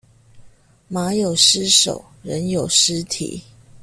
馬有失手，人有失蹄